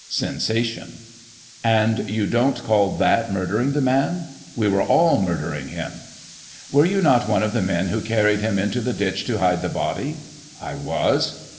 (Sensation.) And you don't call that murdering the man ?— ^We were all murdering him. Were you not one of the men who carried him into the ditch to hide the body? — I was.